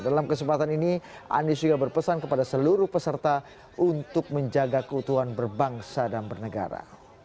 dalam kesempatan ini anies juga berpesan kepada seluruh peserta untuk menjaga keutuhan berbangsa dan bernegara